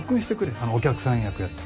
お客さん役やって。